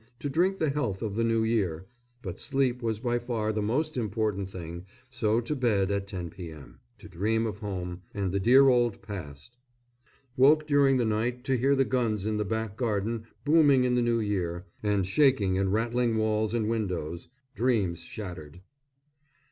to drink the health of the New Year; but sleep was by far the most important thing, so to bed at 10 p.m., to dream of home and the dear old past. Woke during the night to hear the guns in the back garden booming in the New Year, and shaking and rattling walls and windows. Dreams shattered!